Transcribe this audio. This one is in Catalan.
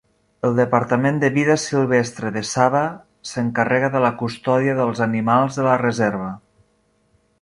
El Departament de Vida Silvestre de Sabah s'encarrega de la custòdia dels animals de la reserva.